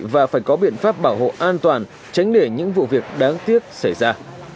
và phải có biện pháp bảo hộ an toàn tránh để những vụ việc đáng tiếc xảy ra